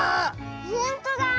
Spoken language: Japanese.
ほんとだ！